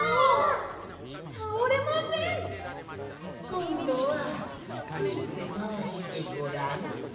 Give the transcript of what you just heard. こんどはつついてまわしてごらん。